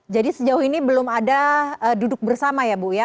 jadi sejauh ini belum ada duduk bersama ya bu ya